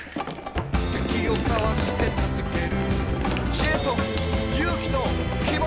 「敵をかわして助ける」「知恵と勇気と希望と」